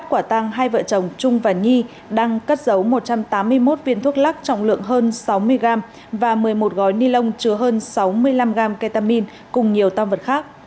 quả tăng hai vợ chồng trung và nhi đang cất giấu một trăm tám mươi một viên thuốc lắc trọng lượng hơn sáu mươi gram và một mươi một gói ni lông chứa hơn sáu mươi năm gram ketamine cùng nhiều tam vật khác